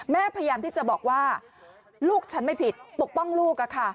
พยายามที่จะบอกว่าลูกฉันไม่ผิดปกป้องลูก